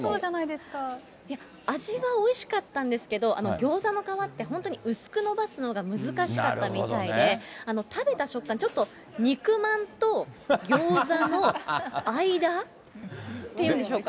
味はおいしかったんですけど、ギョーザの皮って、本当に薄く延ばすのが難しかったみたいで、食べた食感、ちょっと肉まんとギョーザの間っていうんでしょうか。